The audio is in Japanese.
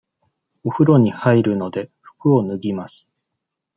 おふろに入るので、服を脱ぎます。